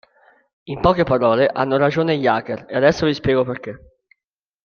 In poche parole, hanno ragione gli hacker e adesso vi spiego perché!